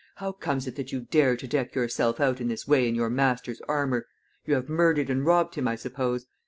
How comes it that you dare to deck yourself out in this way in your master's armor? You have murdered and robbed him, I suppose.